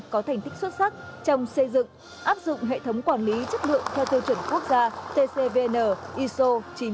có thành tích xuất sắc trong xây dựng áp dụng hệ thống quản lý chất lượng theo tiêu chuẩn quốc gia tcvn iso chín nghìn một